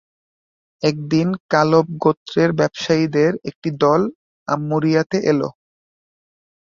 একদিন কালব গোত্রের ব্যবসায়ীদের একটি দল আম্মুরিয়াতে এল।